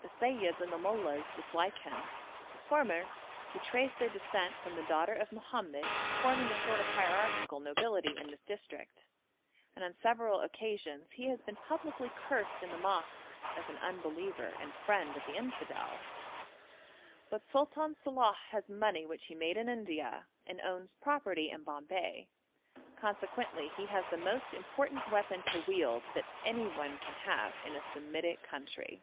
The seyyids and the mollahs dislike him; the former, who trace their descent from the daughter of Mohammed, forming a sort of hierarchical nobility in this district; and on several occasions he has been publicly cursed in the mosques as an unbeliever and friend of the infidel. But Sultan Salàh has money which he made in India, and owns property in Bombay; consequently he has the most important weapon to wield that anyone can have in a Semitic country.